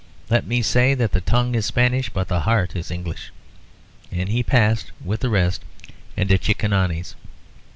Let me say that the tongue is Spanish but the heart English." And he passed with the rest into Cicconani's.